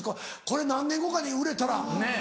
これ何年後かに売れたら。